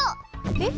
えっ？